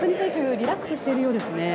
リラックスしているようですね。